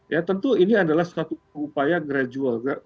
ya tentu ini adalah satu upaya gradual